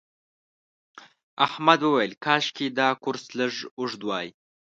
احمد وویل کاشکې دا کورس لږ اوږد وای.